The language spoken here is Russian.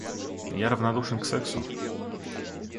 Я равнодушен к сексу.